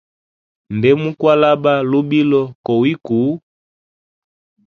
Nde mu kwalaba lubilo kowi kuu.